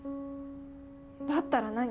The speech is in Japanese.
だったら何？